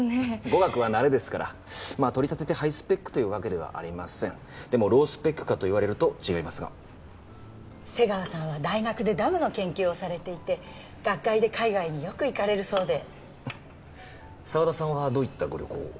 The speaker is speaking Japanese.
語学は慣れですからとりたててハイスペックというわけではありませんでもロースペックかといわれると違いますが瀬川さんは大学でダムの研究をされていて学会で海外によく行かれるそうで沢田さんはどういったご旅行を？